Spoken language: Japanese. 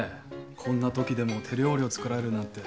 こんなときでも手料理を作られるなんて。